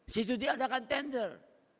situ dia adakan tender